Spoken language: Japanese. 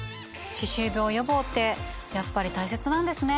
歯周病予防ってやっぱり大切なんですね。